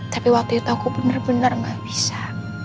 tapi waktu itu aku bener bener gak bisa